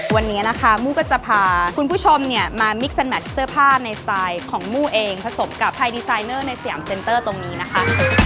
วันนี้นะคะมู้ก็จะพาคุณผู้ชมเนี่ยมามิกซันแมทเสื้อผ้าในสไตล์ของมู่เองผสมกับไทยดีไซนเนอร์ในสยามเซ็นเตอร์ตรงนี้นะคะ